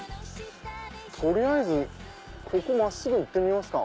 取りあえずここ真っすぐ行ってみますか。